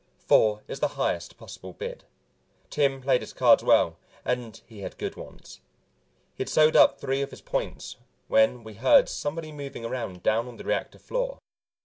Four is the highest possible bid. Tim played his cards well and he had good ones. He had sewed up three of his points when we heard somebody moving around down on the reactor floor.